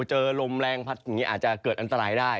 เจอลมแรงพัดอย่างนี้อาจจะเกิดอันตรายได้